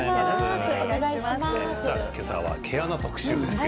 今朝は毛穴特集です。